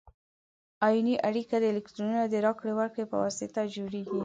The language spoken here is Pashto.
ایوني اړیکه د الکترونونو د راکړې ورکړې په واسطه جوړیږي.